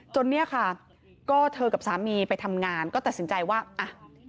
เนี่ยค่ะก็เธอกับสามีไปทำงานก็ตัดสินใจว่าอ่ะ